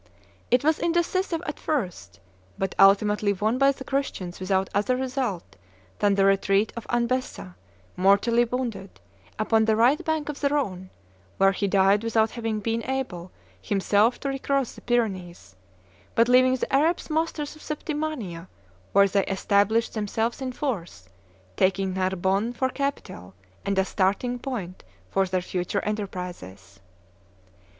It was indecisive at first, but ultimately won by the Christians without other result than the retreat of Anbessa, mortally wounded, upon the right bank of the Rhone, where he died without having been able himself to recross the Pyrenees, but leaving the Arabs masters of Septimania, where they established themselves in force, taking Narbonne for capital and a starting point for their future enterprises.